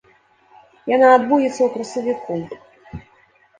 Яна адбудзецца ў красавіку.